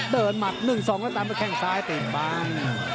เดินหมัดหนึ่งสองแล้วตามไปแค่งซ้ายติดบัง